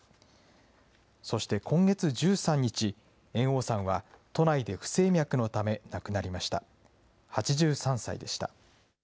そして今月１３日、猿翁さんは都内で不整脈のため亡くなりました。